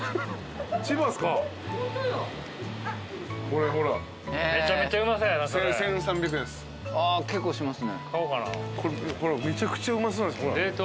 これめちゃくちゃうまそうなんです。